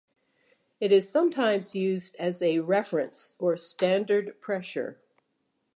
It is sometimes used as a "reference" or "standard pressure".